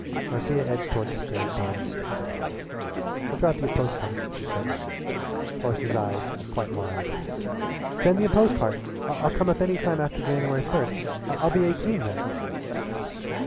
Marcia edged toward the grated door. "I'll drop you a post card," she said. Horace's eyes were quite wild. "Send me a post card! I'll come up any time after January first. I'll be eighteen then."